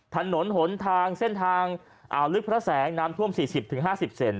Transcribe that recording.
ถนนหนทางเส้นทางอ่าวลึกพระแสงน้ำท่วม๔๐๕๐เซน